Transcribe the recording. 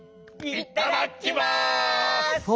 いただきます！